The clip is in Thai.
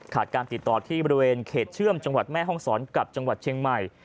การติดต่อที่บริเวณเขตเชื่อมจังหวัดแม่ห้องศรกับจังหวัดเชียงใหม่